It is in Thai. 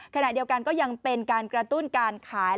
ขณะเดียวกันก็ยังเป็นการกระตุ้นการขาย